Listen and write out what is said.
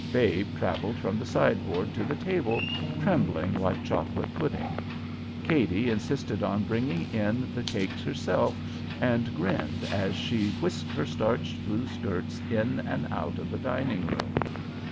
Babe travelled from the sideboard to the table, trembling like chocolate pudding. Cady insisted on bringing in the cakes herself, and grinned as she whisked her starched blue skirts in and out of the dining room.